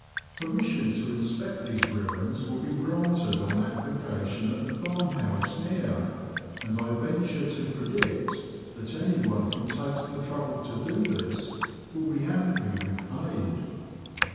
Per mission to inspect these ruins will be granted on application at the farm house near, and I venture to predict that any one who takes the trouble to do this will be amply repaid.